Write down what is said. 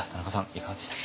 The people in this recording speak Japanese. いかがでしたか？